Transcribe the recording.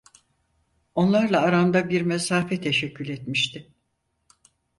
Onlarla aramda bir mesafe teşekkül etmişti.